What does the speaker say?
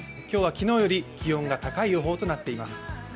今日は昨日より気温が高い予報となっています。